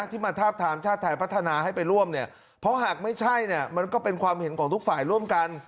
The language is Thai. ที่มาทาบทามชาติไทยพัฒนาให้ไปร่วมเนี่ยเพราะหากไม่ใช่เนี่ยมันก็เป็นความเห็นของทุกฝ่ายร่วมกัน